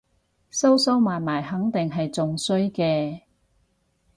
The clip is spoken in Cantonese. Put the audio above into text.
收收埋埋肯定係仲衰嘅